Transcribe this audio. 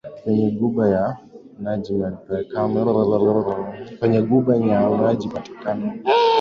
kwenye Ghuba ya UajemiImepakana na Irak na Saudia Karibu nchi yote